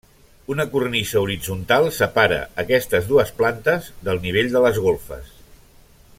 Una cornisa horitzontal separa aquestes dues plantes del nivell de les golfes.